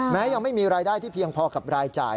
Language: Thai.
ยังไม่มีรายได้ที่เพียงพอกับรายจ่าย